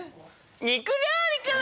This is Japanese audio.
肉料理から！